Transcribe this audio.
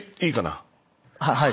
はい。